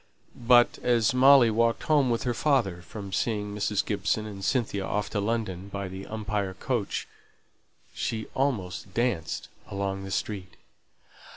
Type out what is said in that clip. But as Molly walked home with her father from seeing Mrs. Gibson and Cynthia off to London by the "Umpire" coach, she almost danced along the street.